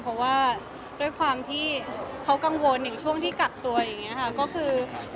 เพราะว่าด้วยความที่เขากังวลอย่างช่วงที่กักตัวอย่างนี้ค่ะก็คือ